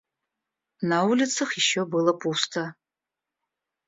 На улицах еще было пусто.